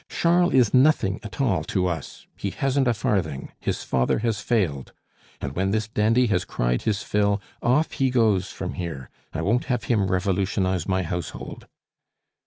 Charles is nothing at all to us; he hasn't a farthing, his father has failed; and when this dandy has cried his fill, off he goes from here. I won't have him revolutionize my household."